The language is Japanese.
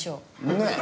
ねえ。